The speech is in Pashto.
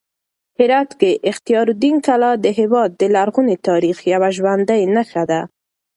هرات کې اختیار الدین کلا د هېواد د لرغوني تاریخ یوه ژوندۍ نښه ده.